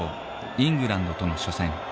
イングランドとの初戦。